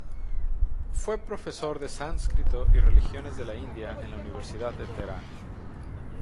Fue profesor de sánscrito y religiones de la India en la Universidad de Teherán.